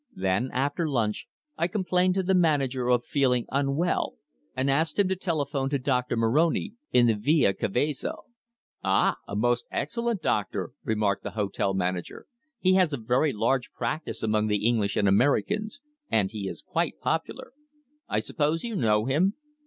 Then, after lunch, I complained to the manager of feeling unwell, and asked him to telephone to Doctor Moroni, in the Via Cavezzo. "Ah! a most excellent doctor!" remarked the hotel manager. "He has a very large practice among the English and Americans. And he is quite popular. I suppose you know him?"